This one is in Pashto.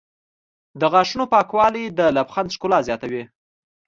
د غاښونو پاکوالی د لبخند ښکلا زیاتوي.